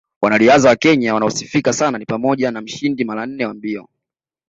Wanariadha wa Kenya wanaosifika sana ni pamoja na mshindi mara nne wa mbio